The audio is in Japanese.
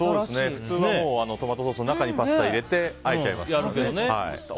普通はトマトソースの中にパスタを入れてあえちゃいますからね。